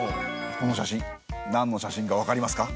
この写真なんの写真かわかりますか？